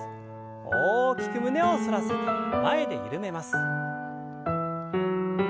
大きく胸を反らせて前で緩めます。